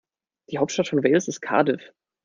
Die Hauptstadt von Wales ist Cardiff.